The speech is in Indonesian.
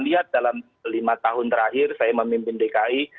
lihat dalam lima tahun terakhir saya memimpin dki